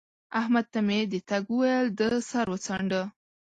احمد ته مې د تګ وويل؛ ده سر وڅانډه